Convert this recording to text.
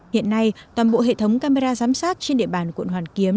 hiện nay toàn bộ hệ thống camera giám sát trên địa bàn quận hoàn kiếm